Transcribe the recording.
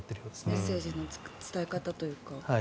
メッセージの伝え方というか。